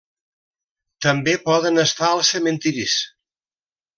També poden estar als cementiris.